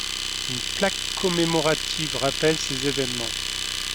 Une plaque commémorative rappelle ces évènements.